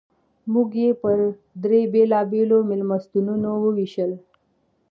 موږ یې پر درې بېلابېلو مېلمستونونو ووېشل.